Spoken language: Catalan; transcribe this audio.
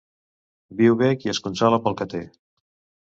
Viu bé qui es consola amb el que té.